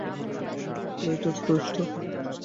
বায Lightyear to Star command.